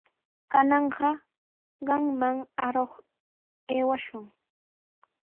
Kananqa qamman aruq aywashun.